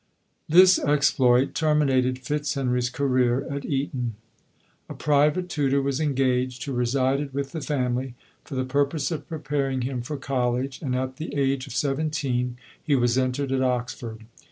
This exploit terminated Fitzhenry's career at Eton. A private tutor was engaged, who re sided with the family, for the purpose of pre paring him for college, and at the age of seventeen he was entered at Oxford.